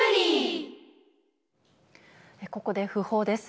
ここで訃報です。